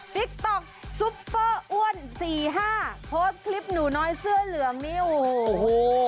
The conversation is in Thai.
ติ๊กต๊อกซุปเปอร์อ้วนสี่ห้าโพสต์คลิปหนูน้อยเสื้อเหลืองนี่โอ้โห